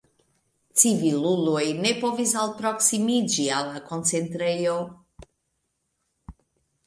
Civiluloj ne povis alproksimiĝi al la koncentrejo.